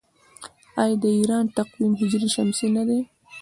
آیا د ایران تقویم هجري شمسي نه دی؟